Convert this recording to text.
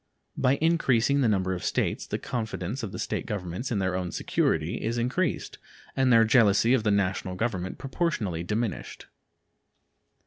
By increasing the number of the States the confidence of the State governments in their own security is increased and their jealousy of the National Government proportionally diminished.